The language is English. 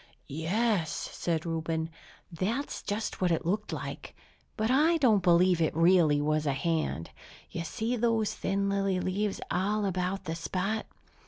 "Yes," said Reuben, "that's just what it looked like. But I don't believe it really was a hand! You see those thin lily leaves all about the spot?